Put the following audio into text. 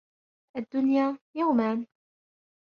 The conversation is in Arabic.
الدُّنْيَا يَوْمَانِ